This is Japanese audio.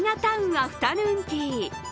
アフタヌーンティー。